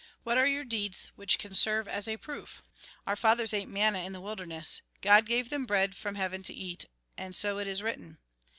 What are your deeds which can serve as a proof ? Our fathers ate manna in the wilderness. God gave them bread from heaven to eat ; and so it is written."